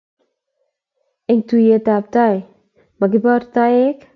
Eng' tuyet ap tai, makibor taek.